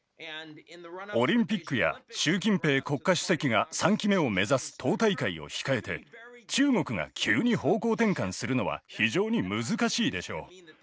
オリンピックや習近平国家主席が３期目を目指す党大会を控えて中国が急に方向転換するのは非常に難しいでしょう。